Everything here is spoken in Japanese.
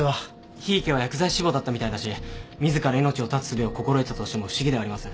檜池は薬剤師志望だったみたいだし自ら命を絶つすべを心得てたとしても不思議ではありません。